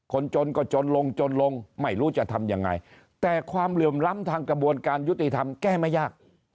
คนจนก็จนลงจนลงไม่รู้จะทำยังไงแต่ความเหลื่อมล้ำทางกระบวนการยุติธรรมแก้ไม่ยาก